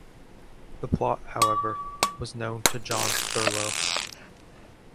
The plot, however, was known to John Thurloe.